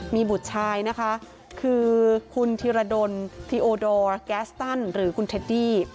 มีบุษชายคือคุณธิรดนธิโอดอร์แกสตันหรือคุณเทดดี้